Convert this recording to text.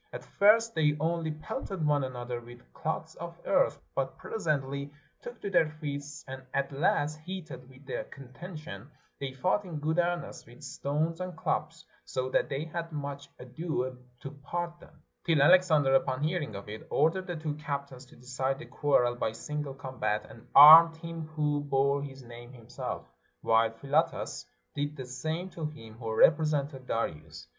At first they only pelted one another with clods of earth, but presently took to their fists and at last, heated with the contention, they fought in good earnest with stones and clubs, so that they had much ado to part them; till Alexander, upon hearing of it, ordered the two captains to decide the quarrel by single combat, and armed him who bore his name himself, while Philotas did the same to him who represented Darius.